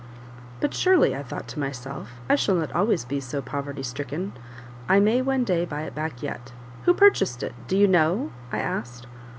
"But surely," I thought to myself, "I shall not always be so poverty stricken; I may one day buy it back yet. Who purchased it? do you know?" I asked.